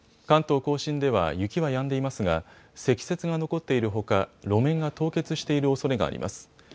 関東甲信では雪はやんでいますが積雪が残っているほか路面が凍結しているおそれがあります。